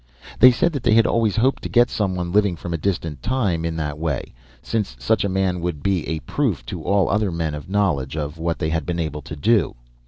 They said that they had always hoped to get someone living from a distant time in that way, since such a man would be a proof to all the other men of knowledge of what they had been able to do.